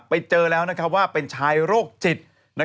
ไปเจอแล้วว่าเป็นชายโรคจิต